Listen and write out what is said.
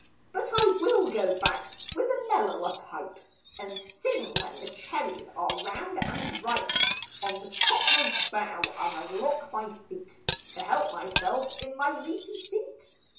"But I will go back, with a mellower pipe, And sing, when the cherries are round and ripe; On the topmost bough, as I lock my feet, To help myself, in my leafy seat.